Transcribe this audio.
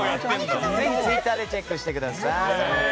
ぜひツイッターでチェックしてください。